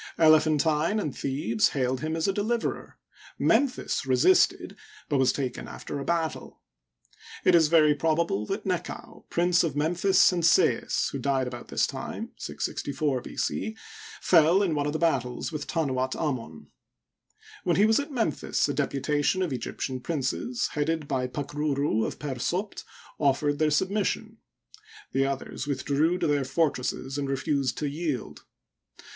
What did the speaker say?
Elephantine and Thebes hailed him as a deliverer; Memphis resisted, but was taken after a battle. It is very probable that Nekau, Prince of Mem phis and Sais, who died about this time (664 B. c), fell in Digitized byCjOOQlC AETHIOPIANS AND ASSYRIANS IN EGYPT, 123 one of the battles with Tanuat Amon. While he was at Memphis a deputation of Egyptian princes, headed by Pakruru of Per^Sopd, offered their submission. The others withdrew to their fortresses and refused to yield.